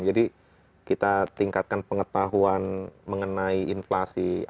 jadi kita tingkatkan pengetahuan mengenai inflasi apa itu